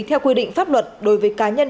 theo quy định pháp luật đối với cá nhân